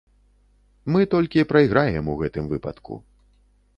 Мы толькі прайграем у гэтым выпадку.